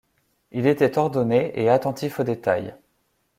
Il était ordonné et attentif aux détails.